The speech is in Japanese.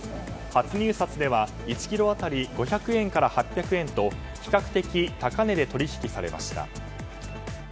初入札では１ｋｇ当たり５００円から８００円と比較的高値で取引されました。